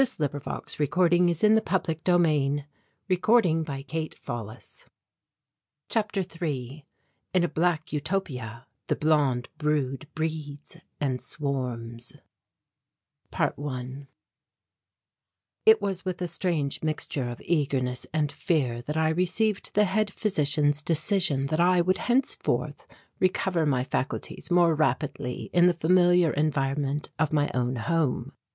"Well?" said the officer. "He's not to blame, sir," said the soldier, "he's off his head." CHAPTER III IN A BLACK UTOPIA THE BLOND BROOD BREEDS AND SWARMS ~1~ It was with a strange mixture of eagerness and fear that I received the head physician's decision that I would henceforth recover my faculties more rapidly in the familiar environment of my own home.